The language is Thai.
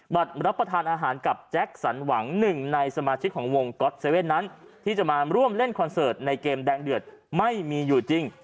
รับประทานอาหารกับแจ็คสันหวังหนึ่งในสมาชิกของวงก๊อตเซเว่นนั้นที่จะมาร่วมเล่นคอนเสิร์ตในเกมแดงเดือดไม่มีอยู่จริง